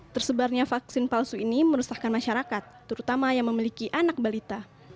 tersebarnya vaksin palsu ini merusakkan masyarakat terutama yang memiliki anak balita